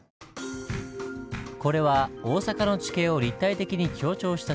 これは大阪の地形を立体的に強調した地図です。